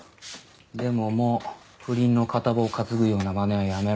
でももう不倫の片棒担ぐようなまねはやめろよ。